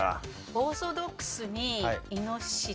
オーソドックスにイノシシとか。